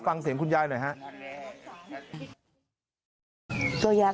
ฟังเสียงคุณยายหน่อยครับ